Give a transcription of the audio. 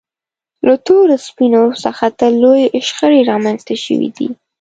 له تورو سپینو څخه تل لویې شخړې رامنځته شوې دي.